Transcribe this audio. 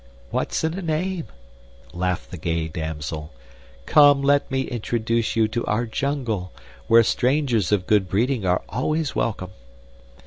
"What's in a name?" laughed the gay damsel. "Come, let me introduce you to our jungle, where strangers of good breeding are always welcome."